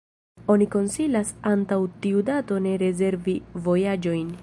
Oni konsilas antaŭ tiu dato ne rezervi vojaĝojn.